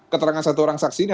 keterangan satu orang saksi ini